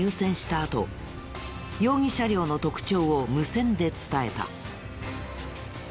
あと容疑車両の特徴を無線で伝えた。